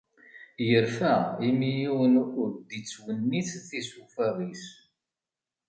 Yerfa imi yiwen ur d-ittwennit tisufaɣ-is.